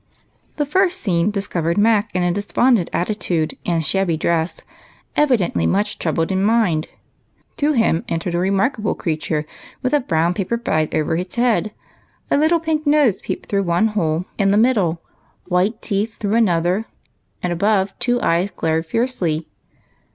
The first scene discovered Mac in a despondent attitude and shabby dress, evidently much troubled in mind. To him entered a remarkable creature with a brown paper bag over its head. A little pink nose peeped through one hole in the middle, white teeth through another, and above two eyes glared fiercely.